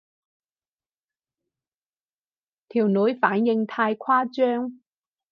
條女反應太誇張